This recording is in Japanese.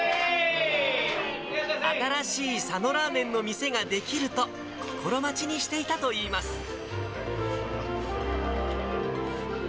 新しい佐野ラーメンの店が出来ると、心待ちにしていたといいます。